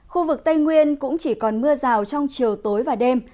khu vực tây nguyên cũng chỉ còn mưa rào trong chiều tối và đêm